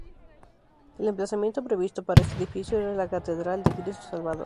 El emplazamiento previsto para este edificio era la Catedral de Cristo Salvador.